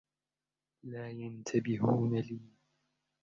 لا ينتبهون لي.